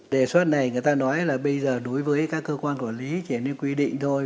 đề xuất này người ta nói là bây giờ đối với các cơ quan quản lý chỉ nên quy định thôi